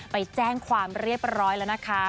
ไปแจ้งความเรียบร้อยแล้วนะคะ